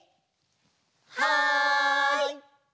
はい！